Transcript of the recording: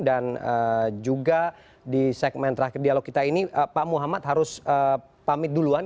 dan juga di segmen terakhir dialog kita ini pak muhammad harus pamit duluan